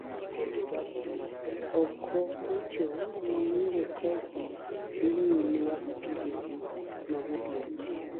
oko kucho nowinjo ka ji dhi nyime gi tije gi ma godhiambo